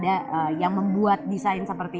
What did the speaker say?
sampai ada yang membuat desain seperti ini